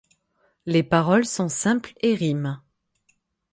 Les paroles sont simples et riment.